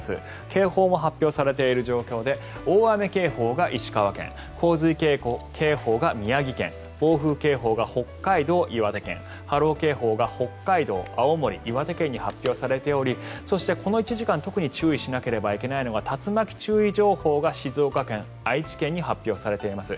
警報も発表されている状況で大雨警報が石川県洪水警報が宮城県暴風警報が北海道、岩手県波浪警報が北海道、青森、岩手県に発表されておりそして、この１時間特に注意しなければいけないのが竜巻注意情報が静岡県、愛知県に発表されています。